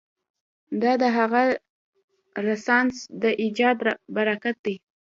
دا د همغه رنسانس د ایجاد براکت دی.